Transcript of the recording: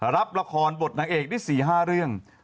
รับละครบทนางเอกได้๔๕เรื่อง